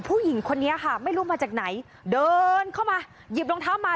ผู้หญิงคนนี้ค่ะไม่รู้มาจากไหนเดินเข้ามาหยิบรองเท้ามา